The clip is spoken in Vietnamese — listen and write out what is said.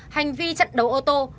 hành vi chặn đầu ô tô